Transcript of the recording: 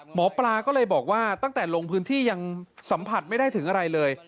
หมอปลาก็เลยบอกว่าตั้งแต่ลงพื้นที่ยังสัมผัสไม่ได้ถึงอะไรเลย